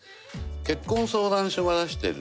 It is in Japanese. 結婚相談所が出してるね